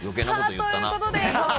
ということで特撰